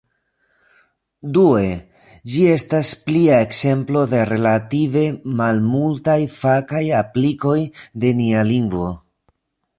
Due, ĝi estas plia ekzemplo de relative malmultaj fakaj aplikoj de nia lingvo.